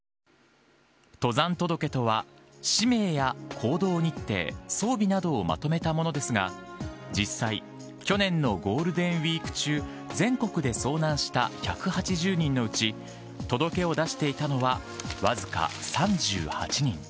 登山届とは、氏名や行動日程、装備などをまとめたものですが、実際、去年のゴールデンウィーク中、全国で遭難した１８０人のうち、届けを出していたのは僅か３８人。